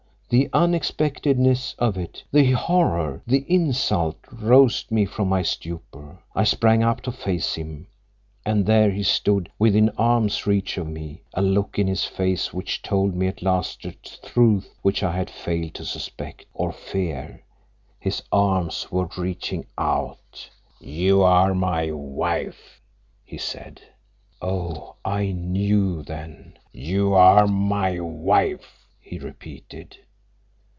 _ The unexpectedness of it—the horror—the insult roused me from my stupor. I sprang up to face him, and there he stood, within arm's reach of me, a look in his face which told me at last the truth which I had failed to suspect—or fear. His arms were reaching out— "'You are my wife,' he said. "Oh, I knew, then. 'You are my wife,' he repeated.